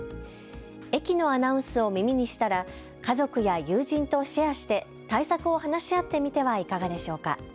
駅のアナウンスを耳にしたら家族や友人とシェアして対策を話し合ってみてはいかがでしょうか。